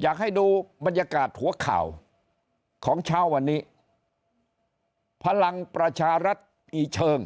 อยากให้ดูบรรยากาศหัวข่าวของเช้าวันนี้พลังประชารัฐอีเชิง